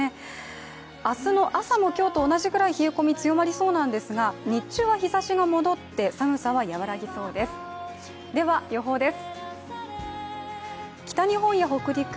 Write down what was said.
明日の朝も今日と同じくらい冷え込み強まりそうなんですが、日中は日ざしが戻って寒さが和らぎそうです。